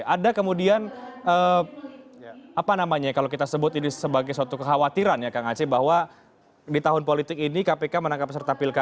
ada kemudian apa namanya kalau kita sebut ini sebagai suatu kekhawatiran ya kang aceh bahwa di tahun politik ini kpk menangkap peserta pilkada